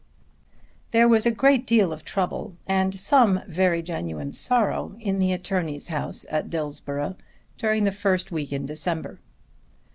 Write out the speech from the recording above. There was a great deal of trouble and some very genuine sorrow in the attorney's house at Dillsborough during the first week in December.